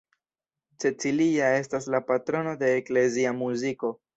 Cecilia estas la patrono de eklezia muziko.